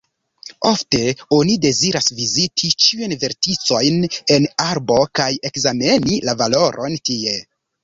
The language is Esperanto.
Ofte oni deziras viziti ĉiujn verticojn en arbo kaj ekzameni la valoron tie.